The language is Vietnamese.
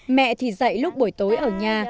mẹ thì dạy lúc buổi tối ở nhà